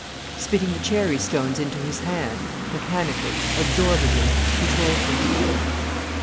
Spitting the cherry stones into his hand, mechanically, absorbedly, he told them.